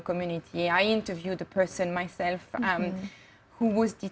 saya telah menemui orang yang saya jelaskan